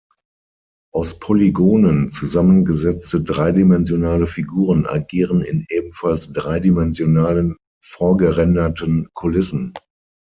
Aus Polygonen zusammengesetzte, dreidimensionale Figuren agieren in ebenfalls dreidimensionalen, vorgerenderten Kulissen.